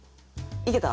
いけた？